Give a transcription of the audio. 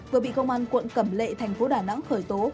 vừa bị công an quận cẩm lệ tp đà nẵng khởi tố